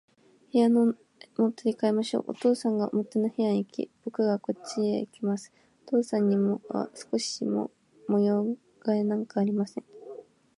部屋も取り変えましょう。お父さんが表の部屋へいき、ぼくがこっちへきます。お父さんには少しも模様変えなんかありません。